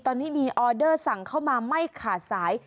ตอนนี้มีออเดอร์สั่งเข้ามาไม่ขาดสาย